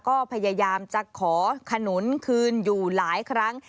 ก็พยายามจะขอขนุนคืนอยู่หลายครั้ง